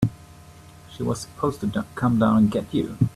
She was supposed to come down and get you.